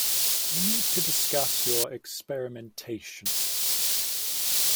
We need to discuss your experimentation.